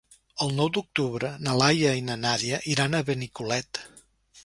El nou d'octubre na Laia i na Nàdia iran a Benicolet.